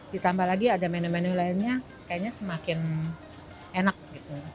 ditambah lagi ada menu menu lainnya kayaknya semakin enak gitu